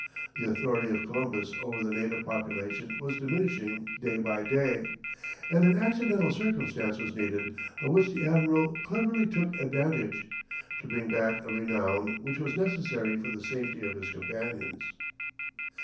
The authority of Columbus over the native population was diminishing day by day, and an accidental circumstance was needed, of which the admiral cleverly took advantage, to bring back a renown which was necessary for the safety of his companions.